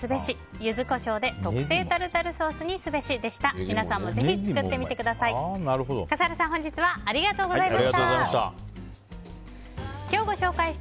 ユズコショウで特製タルタルソースにすべしでした。